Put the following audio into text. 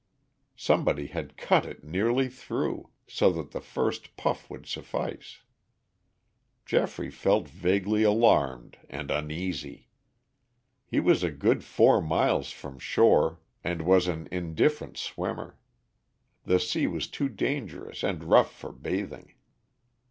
Somebody had cut it nearly through, so that the first puff would suffice. Geoffrey felt vaguely alarmed and uneasy. He was a good four miles from shore and was an indifferent swimmer. The sea was too dangerous and rough for bathing.